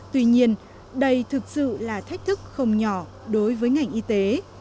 tuy nhiên đây thực sự là thách thức không nhỏ đối với ngành y tế